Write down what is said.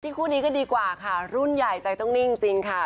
คู่นี้ก็ดีกว่าค่ะรุ่นใหญ่ใจต้องนิ่งจริงค่ะ